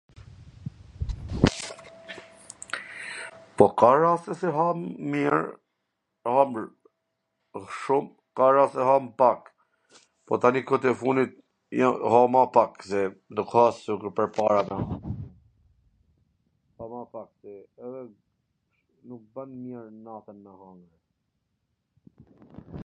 po ka raste qw ham mir, ham shum, ka raste qw ham dhe mw pak, tani kot e fundit ha ma pak, nuk ha si ma pwrpara, ha ma pak se nuk ban mir natwn me hangwr.